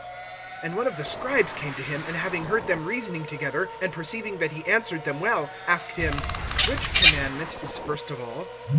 (28)And one of the scribes came to him, and having heard them reasoning together, and perceiving that he answered them well, asked him: Which commandment is first of all?